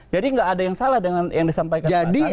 jadi nggak ada yang salah dengan yang disampaikan tadi